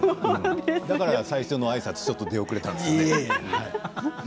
だから、最初のあいさつちょっと出遅れたんですね。